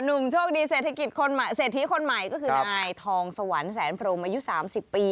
หนุ่มโชคดีเศรษฐีคนใหม่ก็คือนายทองสวรรค์แสนโพรมอายุ๓๐ปี